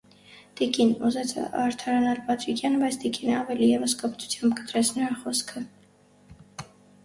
- Տիկին,- ուզեց արդարանալ Պատրիկյանը, բայց տիկինը ավելի ևս կոպտությամբ կտրեց նրա խոսքը.